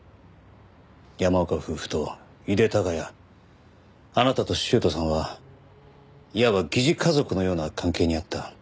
山岡夫婦と井手孝也あなたと修斗さんはいわば疑似家族のような関係にあった。